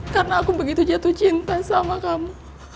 karena aku begitu jatuh cinta sama kamu